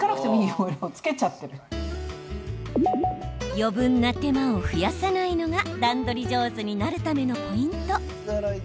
余分な手間を増やさないのが段取り上手になるためのポイント。